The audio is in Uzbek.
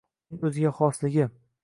Uning o‘ziga xosligi